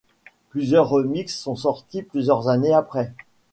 Plusieurs remix sont sortis quelques années après.